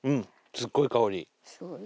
すごい香り。